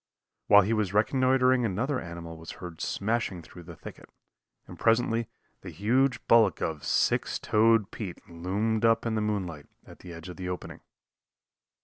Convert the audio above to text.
While he was reconnoitering another animal was heard smashing through the thicket, and presently the huge bulk of Six Toed Pete loomed up in the moonlight at the edge of the opening.